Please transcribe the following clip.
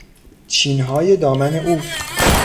چینهای دامن او